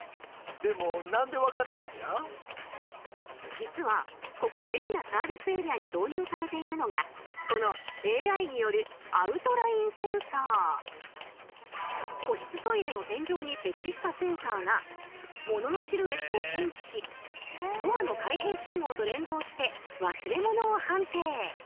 実はここ海老名サービスエリアに導入されているのがこの個室トイレの天井に設置したセンサーが物のシルエットを検知しドアの開閉信号と連動して「忘れ物」を判定。